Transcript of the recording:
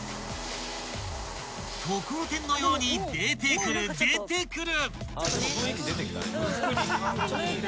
［ところてんのように出てくる出てくる］